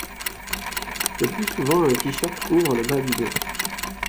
Le plus souvent, un T-shirt couvre le bas du dos.